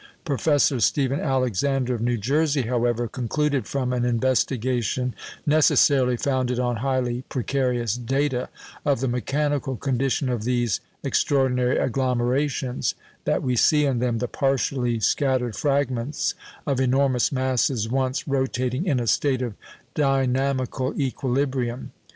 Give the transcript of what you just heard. Professor Stephen Alexander of New Jersey, however, concluded, from an investigation (necessarily founded on highly precarious data) of the mechanical condition of these extraordinary agglomerations, that we see in them "the partially scattered fragments of enormous masses once rotating in a state of dynamical equilibrium."